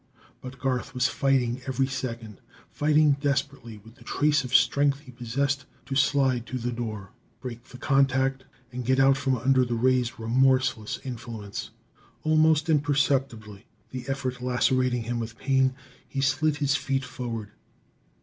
But Garth was fighting every second, fighting desperately with the trace of strength he possessed to slide to the door, break the contact and get out from under the ray's remorseless influence. Almost imperceptibly, the effort lacerating him with pain, he slid his feet forward.